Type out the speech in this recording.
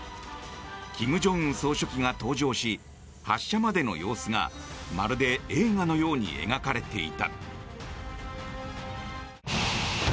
金正恩総書記が登場し発射までの様子がまるで映画のように描かれていた。